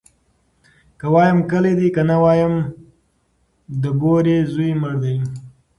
ـ که وايم کلى دى ، که نه وايم د بورې زوى مړى دى.